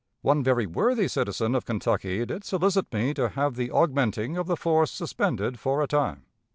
One very worthy citizen of Kentucky did solicit me to have the augmenting of the force suspended for a time.